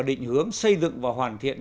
định hướng xây dựng và hoàn thiện